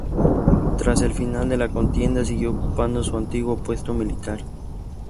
Tras el final de la contienda siguió ocupando su antiguo puesto militar.